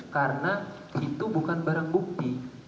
karena itu bukan barang bukti